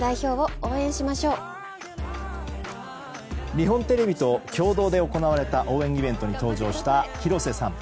日本テレビと共同で行われた応援イベントに登場した広瀬さん。